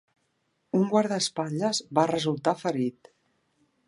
Un guardaespatlles va resultar ferit.